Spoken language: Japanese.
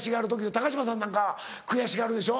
高嶋さんなんか悔しがるでしょ